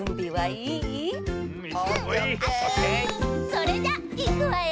それじゃいくわよ。